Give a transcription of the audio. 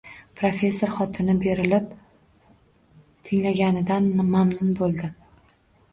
Professor xotini berilib tinglaganidan mamnun bo`ldi